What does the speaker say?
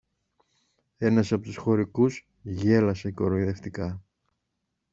Ένας από τους χωρικούς γέλασε κοροϊδευτικά.